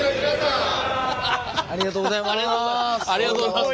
ありがとうございます！